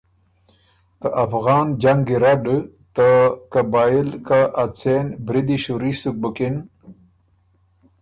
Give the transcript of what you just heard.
ته افغان جنګ ګیرډ ته قبائل که ا څېن بریدی شُوري سُک بُکِن،